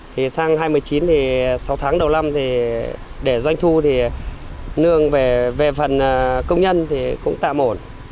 thì sang hai mươi chín thì sáu tháng đầu năm thì để doanh thu thì nương về phần công nhân thì cũng tạm ổn